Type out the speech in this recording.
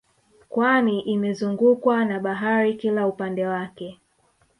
Kwani imezungukwa na bahari kila upande wake